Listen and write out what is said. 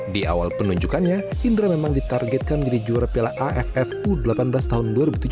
di awal penunjukannya indra memang ditargetkan menjadi juara piala aff u delapan belas tahun dua ribu tujuh belas